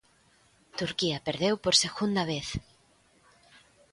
Turquía perdeu por segunda vez.